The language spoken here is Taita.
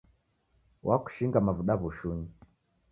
Wakushinga mavuda w'ushunyi